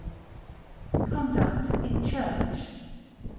CONDUCT IN CHURCH.